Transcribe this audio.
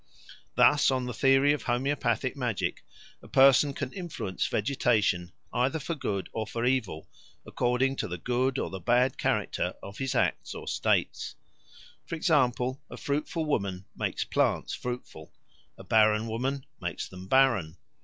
Thus on the theory of homoeopathic magic a person can influence vegetation either for good or for evil according to the good or the bad character of his acts or states: for example, a fruitful woman makes plants fruitful, a barren woman makes them barren.